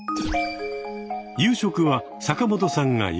夕食は坂本さんが用意。